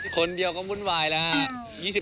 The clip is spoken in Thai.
คนเดียวก็วุ่นวายแล้วฮะ